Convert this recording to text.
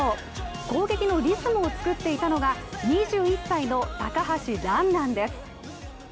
攻撃のリズムを作っていたのが２１歳の高橋藍なんです。